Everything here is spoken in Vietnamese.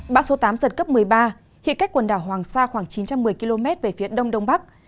bão số tám giật cấp một mươi ba khi cách quần đảo hoàng sa khoảng chín trăm một mươi km về phía đông đông bắc